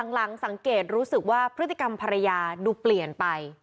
หลังสังเกตรู้สึกว่าพฤติกรรมภรรยาดูเปลี่ยนไป